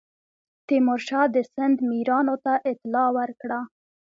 تیمورشاه د سند میرانو ته اطلاع ورکړه.